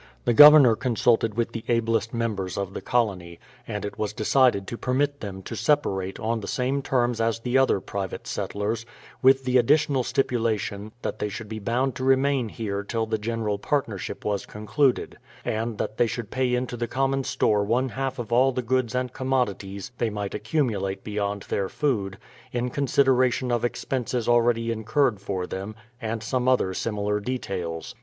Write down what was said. The Governor consulted with the ablest members of the colony, and it was decided to permit them to separate on the same terms as the other private settlers, with the additional stipulation that they should be bound to remain here till the general partnership was concluded; and that they should pay into the common store one half of all the goods and commodities they might accumulate beyond their food, in consideration of expenses already incurred for them; and some other similar details.